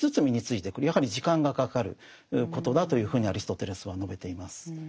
やはり時間がかかることだというふうにアリストテレスは述べています。